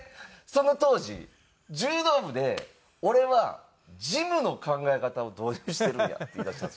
その当時「柔道部で俺はジムの考え方を導入してるんや」って言い出したんですよ。